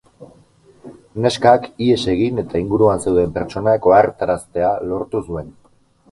Neskak ihes egin eta inguruan zeuden pertsonak ohartaraztea lortu zuen.